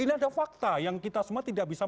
ini ada fakta yang kita semua tidak bisa